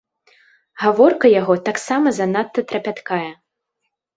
Гаворка яго таксама занадта трапяткая.